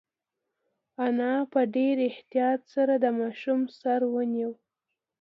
انا په ډېر احتیاط سره د ماشوم سر ونیو.